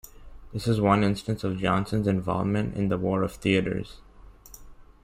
This is one instance of Jonson's involvement in the War of the Theatres.